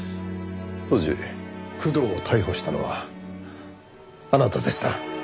当時工藤を逮捕したのはあなたでした。